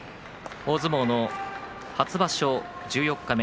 大相撲の初場所十四日目。